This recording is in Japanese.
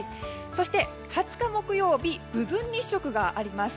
そして２０日、木曜日部分日食があります。